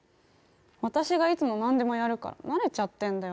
私がいつも何でもやるから慣れちゃってんだよ